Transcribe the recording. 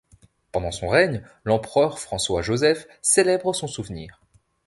Pendant son règne, l'empereur François-Joseph célèbre son souvenir.